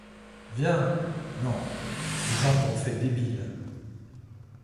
Viens ! -Non. -Les ans t'ont fait débile.